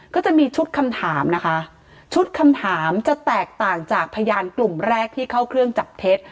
ก็จะมีชุดคำถามนะคะชุดคำถามจะแตกต่างจากพยานกลุ่มแรกที่เข้าเครื่องจับเท็จ